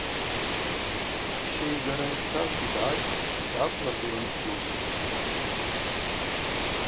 Щейгара йцазгьи дгӏайхтӏ, йгӏаквлыргылын дджвылшвтхтӏ.